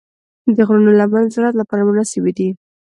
د غرونو لمنې د زراعت لپاره مناسبې دي.